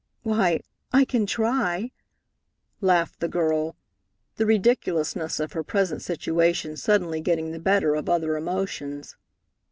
"Why, I can try," laughed the girl, the ridiculousness of her present situation suddenly getting the better of other emotions.